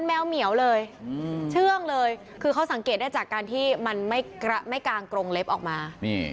นี่นี่นี่นี่นี่นี่นี่นี่นี่นี่นี่นี่